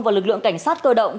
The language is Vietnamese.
và lực lượng cảnh sát cơ động